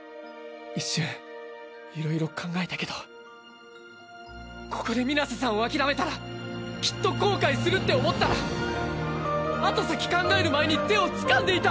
一瞬いろいろ考えたけどここで水瀬さんを諦めたらきっと後悔するって思ったら後先考える前に手をつかんでいた。